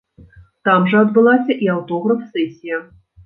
Там жа адбылася і аўтограф-сэсія.